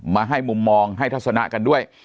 มาให้มุมมองให้ทัศนะกันด้วย